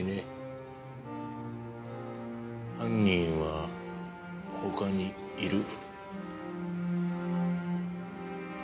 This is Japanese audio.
犯人は他にいる。